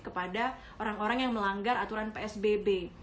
kepada orang orang yang melanggar aturan psbb